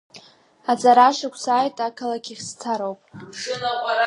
Аҵарашықәс ааит, ақалақьахь сцароуп.